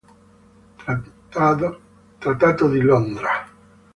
Trattato di Londra